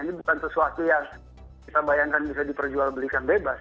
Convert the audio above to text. ini bukan sesuatu yang kita bayangkan bisa diperjual belikan bebas